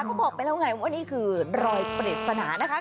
เขาบอกไปแล้วไงว่านี่คือรอยปริศนานะคะ